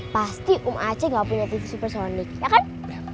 pasti om aceh nggak punya tv supersonic ya kan